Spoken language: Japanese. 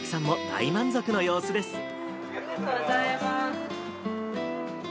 ありがとうございます。